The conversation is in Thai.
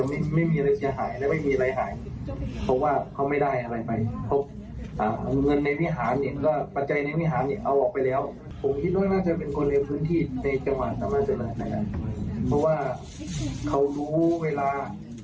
เพราะว่าเขารู้เวลา